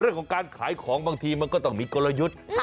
เรื่องของการขายของบางทีมันก็ต้องมีกลยุทธ์